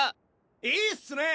いいっすねえ！